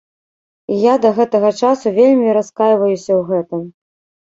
І я да гэтага часу вельмі раскайваюся ў гэтым.